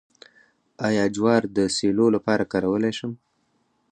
آیا جوار د سیلو لپاره کارولی شم؟